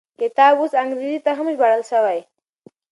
کتاب اوس انګریزي ته هم ژباړل شوی.